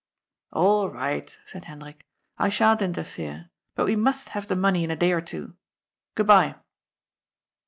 " All right," said Hendrik, " I sha'n't interfere. But we must have the money in a day or two. Good bye."